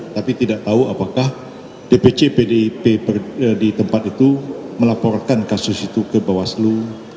tapi tidak tahu apakah dpc pdip di tempat itu melaporkan kasus itu ke bawaslu